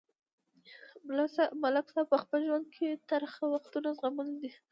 ملک صاحب په خپل ژوند کې ترخه وختونه زغملي دي.